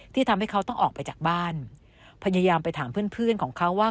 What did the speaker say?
ที่เขาต้องออกไปจากบ้านพยายามไปถามเพื่อนเพื่อนของเขาว่า